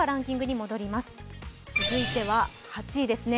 続いては８位ですね。